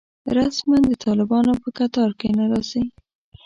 رسماً د طالبانو په کتار کې نه راځي.